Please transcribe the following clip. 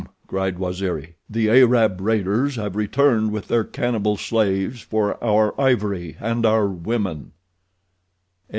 cried Waziri. "The Arab raiders have returned with their cannibal slaves for our ivory and our women!"